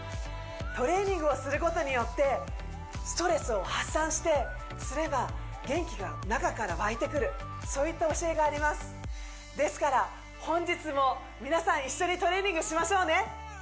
トレーニングをすることによってストレスを発散してすれば元気が中から湧いてくるそういった教えがありますですから本日も皆さん一緒にトレーニングしましょうね